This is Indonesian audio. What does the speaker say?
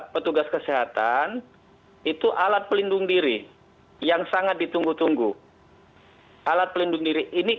petugas kesehatan itu alat pelindung diri yang sangat ditunggu tunggu alat pelindung diri ini